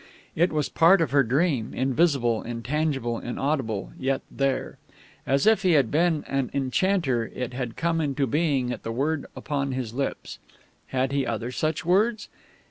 It was part of her dream, invisible, intangible, inaudible, yet there. As if he had been an enchanter, it had come into being at the word upon his lips. Had he other such words?